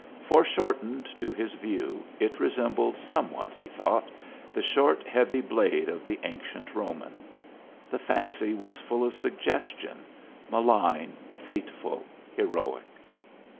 Foreshortened to his view, it resembled somewhat, he thought, the short heavy blade of the ancient Roman. The fancy was full of suggestion, malign, fateful, heroic!